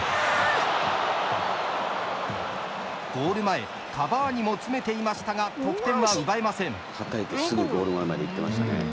ゴール前カバーニも詰めていましたが得点は奪えません。